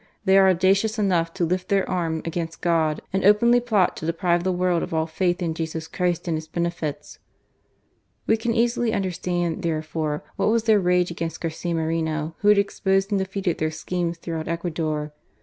They are audacious enough to lift their arm against God, and openly plot to deprive the «orld of all faith in Jesus Christ and His benefits."' We can easily understand, therefore, what was their rage against Garcia Moreno, who had exposed and defeated their schemes throughout Ecuador.